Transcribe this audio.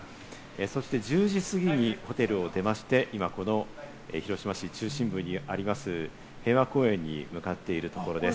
そして１０時過ぎにホテルを出まして、広島中心部にあります平和公園に向かっているところです。